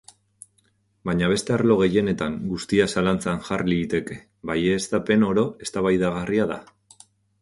Baina beste arlo gehienetan guztia zalantzan jar liteke, baieztapen oro eztabaidagarria da.